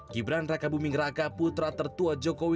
gibran raka buming raka putra tertua jokowi